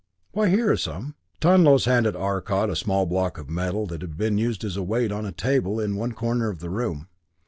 "Why here is some!" Tonlos handed Arcot a small block of metal that had been used as a weight on a table in one corner of the room.